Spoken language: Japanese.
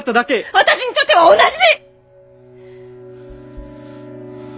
私にとっては同じ！